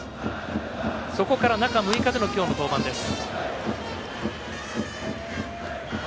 そこから中６日での今日の登板です。